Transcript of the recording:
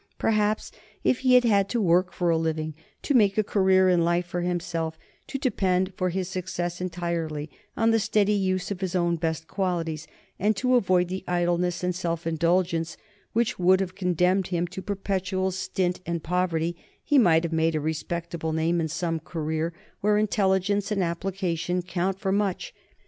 Perhaps if he had had to work for a living, to make a career in life for himself, to depend for his success entirely on the steady use of his own best qualities, and to avoid the idleness and self indulgence which would have condemned him to perpetual stint and poverty, he might have made a respectable name in some career where intelligence and application count for much.